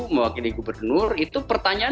mewakili gubernur itu pertanyaan